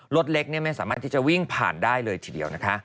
รถเล็กไม่สามารถที่จะวิ่งผ่านได้เลยทีเดียวนะคะ